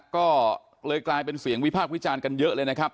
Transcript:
ก็เลยกลายเป็นเสียงวิพากษ์วิจารณ์กันเยอะเลยนะครับ